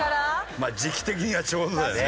まあ時期的にはちょうどだよね。